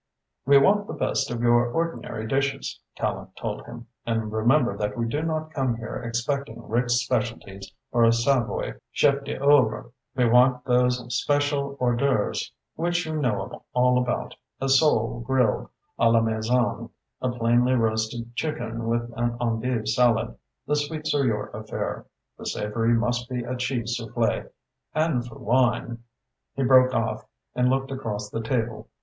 "We want the best of your ordinary dishes," Tallente told him, "and remember that we do not come here expecting Ritz specialities or a Savoy chef d'oeuvre. We want those special hors d'oeuvres which you know all about, a sole grilled a la maison, a plainly roasted chicken with an endive salad. The sweets are your affair. The savoury must be a cheese soufflé. And for wine " He broke off and looked across the table.